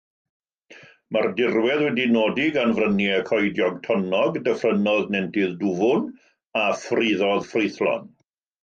Mae'r dirwedd wedi'i nodi gan fryniau coediog, tonnog, dyffrynnoedd nentydd dwfn a phriddoedd ffrwythlon.